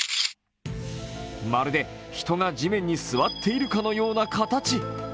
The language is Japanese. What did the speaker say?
まるで人が地面に座っているかのような形。